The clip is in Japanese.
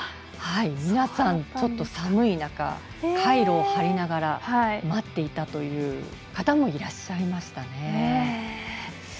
皆さん、ちょっと寒い中カイロを貼りながら待っていたという方もいらっしゃいましたね。